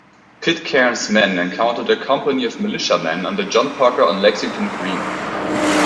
Pitcairn's men encountered a company of militiamen under John Parker on Lexington Green.